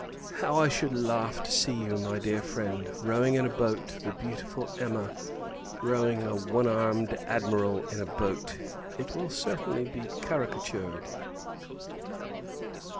How I should laugh, to see you, my dear friend, rowing in a boat; the beautiful Emma rowing a one armed Admiral in a boat! It will certainly be caricatured.